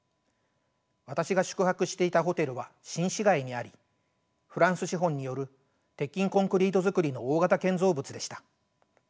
私が宿泊していたホテルは新市街にありフランス資本による鉄筋コンクリート造りの大型建造物でした。